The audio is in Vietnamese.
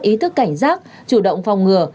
ý thức cảnh giác chủ động phòng ngừa